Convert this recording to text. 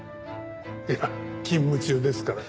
いや勤務中ですから。